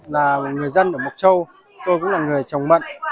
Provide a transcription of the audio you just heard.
là người dân ở mộc châu tôi cũng là người trồng mận